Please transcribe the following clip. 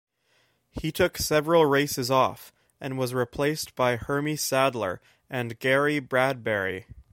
He took several races off, and was replaced by Hermie Sadler and Gary Bradberry.